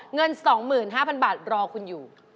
เงิน๒๕๐๐บาทรอคุณอยู่